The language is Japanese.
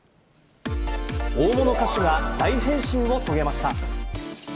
大物歌手が大変身を遂げました。